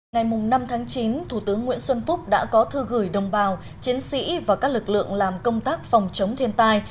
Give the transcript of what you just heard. ngày năm tháng chín thủ tướng nguyễn xuân phúc đã có thư gửi đồng bào chiến sĩ và các lực lượng làm công tác phòng chống thiên tai